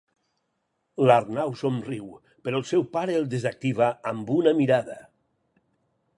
L'Arnau somriu, però el seu pare el desactiva amb una mirada.